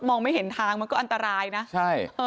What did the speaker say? มองไม่เห็นทางมันก็อันตรายนะ